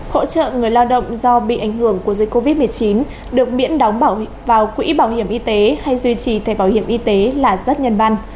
hỗ trợ người lao động do bị ảnh hưởng của dịch covid một mươi chín được miễn đóng vào quỹ bảo hiểm y tế hay duy trì thẻ bảo hiểm y tế là rất nhân văn